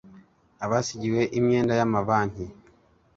abasigiwe imyenda y amabanki